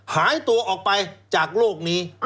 หายตัวออกไปจากโลกนี้